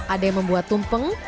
ada yang membuat tumpeng